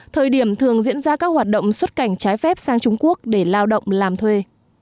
thời điểm thường diễn ra các hoạt động xuất cảnh trái phép sang trung quốc để lao động làm thuê